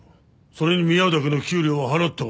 それに見合うだけの給料は払っておる。